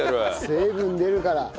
水分出るから。